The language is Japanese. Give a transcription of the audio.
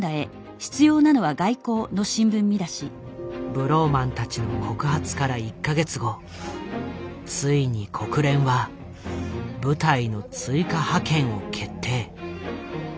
ブローマンたちの告発から１か月後ついに国連は部隊の追加派遣を決定。